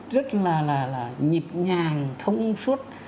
rất là nhịp nhàng thông suốt